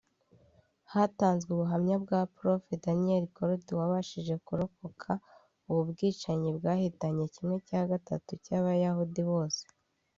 Hatanzwe ubuhamya bwa Prof Daniel Gold wabashije kurokoka ubu bwicanyi bwahitanye kimwe cya gatatu cy’Abayahudi bose